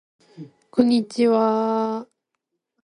The village lies east of the nearest town of Daventry.